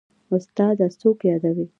استاده څوک يادوې.